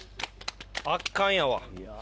圧巻やわ。